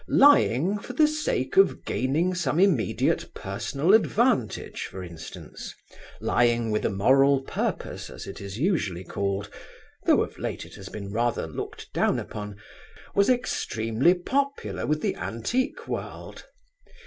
Lying for the sake of gaining some immediate personal advantage, for instance—lying with a moral purpose, as it is usually called—though of late it has been rather looked down upon, was extremely popular with the antique world.